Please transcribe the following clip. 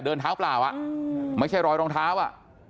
เดินเท้าเปล่าอ่ะไม่ใช่รอยรองเท้าอ่ะ